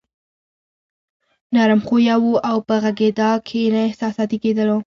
نرم خويه وو او په غږېدا کې نه احساساتي کېدلو.